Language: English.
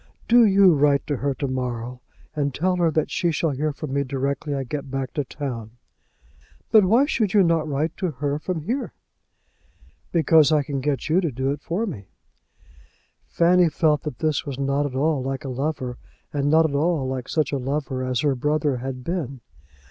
Do you write to her to morrow, and tell her that she shall hear from me directly I get back to town." "But why should you not write to her from here?" "Because I can get you to do it for me." Fanny felt that this was not at all like a lover, and not at all like such a lover as her brother had been.